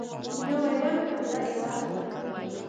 نوی رنګ تازه احساس ورکوي